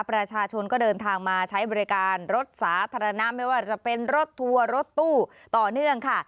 ประชาชนก็เดินทางมาใช้บริการรถสาธารณะไม่ว่าจะเป็นรถทัวร์รถตู้ต่อเนื่องค่ะ